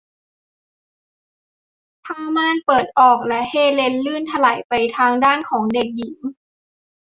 ผ้าม่านเปิดออก และเฮเลนลื่นไถลไปทางด้านของเด็กหญิง